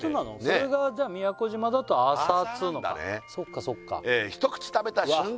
それがじゃ宮古島だと「アーサ」っつうのかそうかそうか「一口食べた瞬間」